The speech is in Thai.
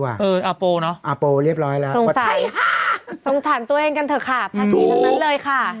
ไม่ได้นี่รายเดือนจ้ะขาว